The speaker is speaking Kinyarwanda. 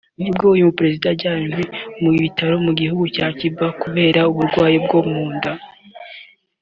nibwo uyu muperezida yajyanwe mu bitaro mu gihugu cya Cuba kubera uburwayi bwo mu nda